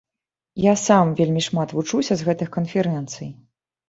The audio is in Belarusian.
Я сам вельмі шмат вучуся з гэтых канферэнцый.